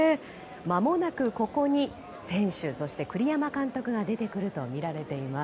まもなく、ここに選手、そして栗山監督が出てくるとみられています。